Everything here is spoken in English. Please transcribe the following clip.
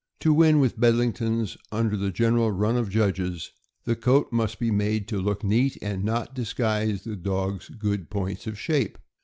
To win with Bedlingtons under the general run of judges, the coat must be made to look neat and not disguise the dog' s good points of shape.